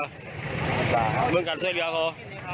เหมือนกันฟรรยาก็ออ